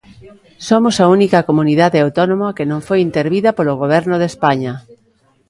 Somos a única comunidade autónoma que non foi intervida polo Goberno de España.